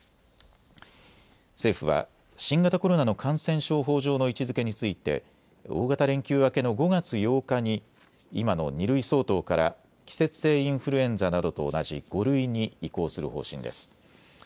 政府は新型コロナの感染症法上の位置づけについて大型連休明けの５月８日に今の２類相当から季節性インフルエンザなどと同じ５類に移行する方針です。